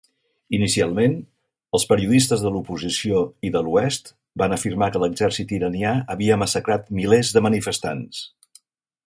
Inicialment, els periodistes de l'oposició i de l'oest van afirmar que l'exèrcit iranià havia massacrat milers de manifestants.